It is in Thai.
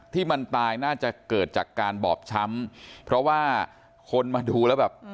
ที่มันตายน่าจะเกิดจากการบอบช้ำเพราะว่าคนมาดูแล้วแบบ